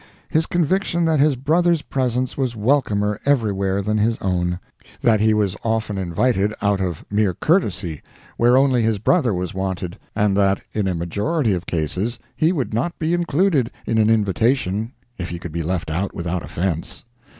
his conviction that his brother's presence was welcomer everywhere than his own; that he was often invited, out of mere courtesy, where only his brother was wanted, and that in a majority of cases he would not be included in an invitation if he could be left out without offense.